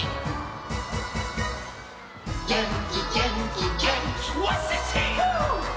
「げんきげんきげんき」「わっせっせっ」